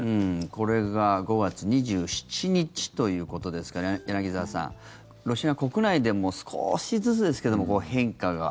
これが５月２７日ということですけど柳澤さん、ロシア国内でも少しずつですけども変化が。